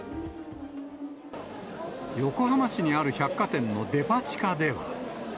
横浜市にある百貨店のデパ地下では。